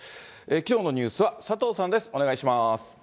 きょうのニュースは佐藤さんです。